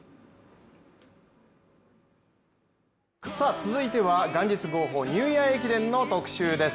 続いては元日号砲ニューイヤー駅伝の特集です。